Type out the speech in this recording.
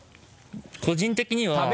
個人的には。